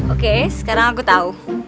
oke sekarang aku tau